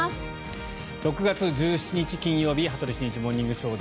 ６月１７日、金曜日「羽鳥慎一モーニングショー」。